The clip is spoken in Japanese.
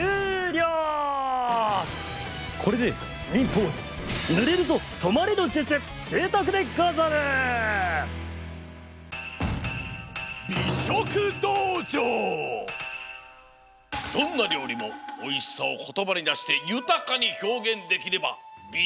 これでどんなりょうりもおいしさをことばにだしてゆたかにひょうげんできればび